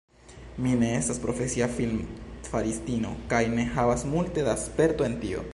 Mi ne estas profesia filmfaristino kaj ne havas multe da sperto en tio.